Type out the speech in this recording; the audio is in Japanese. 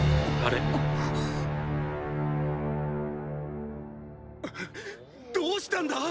っ⁉どうしたんだ⁉